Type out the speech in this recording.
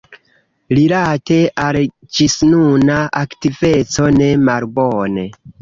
Rilate al la ĝisnuna aktiveco, ne malbone.